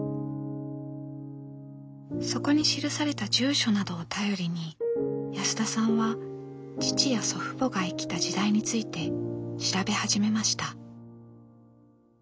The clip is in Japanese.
そこに記された住所などを頼りに安田さんは父や祖父母が生きた時代について調べ始めました。